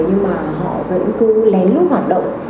nhưng mà họ vẫn cứ lén lút hoạt động